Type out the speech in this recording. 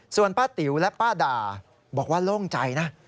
ส่วนป้าติ๋วและป้าด่าบอกว่าโล่งใจนะ